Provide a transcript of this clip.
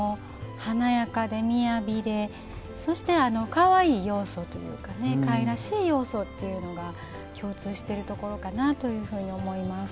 華やかで雅でそして、かわいい要素というかかいらしい要素というのが共通しているところかなと思います。